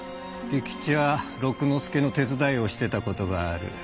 利吉は六之助の手伝いをしてた事がある。